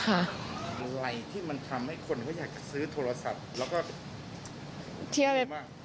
อะไรที่มันทำให้คนก็อยากซื้อโทรศัพท์แล้วก็เยอะมาก